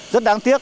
rất đáng tiếc